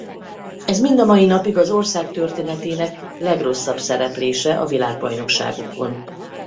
Ez mind a mai napig az ország történetének legrosszabb szereplése a világbajnokságokon.